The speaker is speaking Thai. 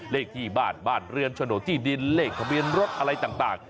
เลขที่บ้านบ้านเรือนชโนธิดินเลขามีลรถอะไรต่าง